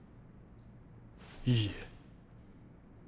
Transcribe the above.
いいえ。